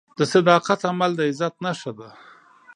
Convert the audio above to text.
د صداقت عمل د عزت نښه ده.